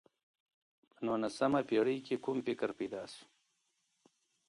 په نولسمه پېړۍ کي کوم فکر پيدا سو؟